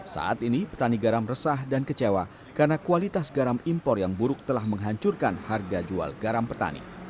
saat ini petani garam resah dan kecewa karena kualitas garam impor yang buruk telah menghancurkan harga jual garam petani